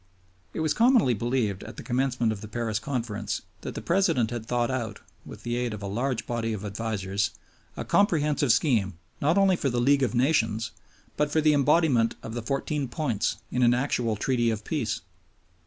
It was commonly believed at the commencement of the Paris Conference that the President had thought out, with the aid of a large body of advisers, a comprehensive scheme not only for the League of Nations, but for the embodiment of the Fourteen Points in an actual Treaty of Peace.